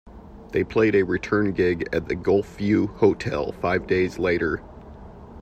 They played a return gig at the Golfview Hotel five days later.